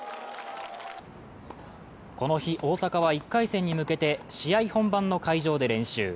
この日、大坂は１回戦に向けて試合本番の会場で練習。